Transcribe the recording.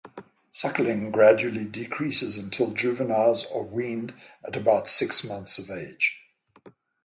Suckling gradually decreases until juveniles are weaned at about six months of age.